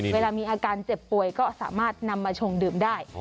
เวลามีอาการเจ็บป่วยก็สามารถนำมาชงดื่มได้